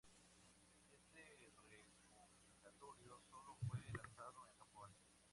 Este recopilatorio solo fue lanzado en Japón.